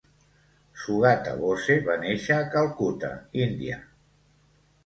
Sugata Bose va néixer a Calcuta, India.